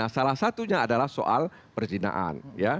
salah satunya adalah soal perjinaan